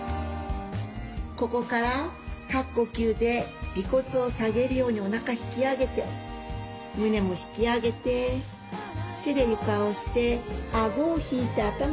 ここから吐く呼吸で尾骨を下げるようにおなか引き上げて胸も引き上げて手で床を押してあごを引いて頭下げます。